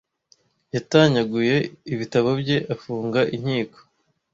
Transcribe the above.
Yatanyaguye ibitabo bye, afunga inkiko,